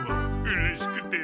うれしくて。